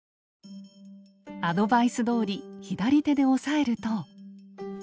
アドバイスどおり左手で押さえると。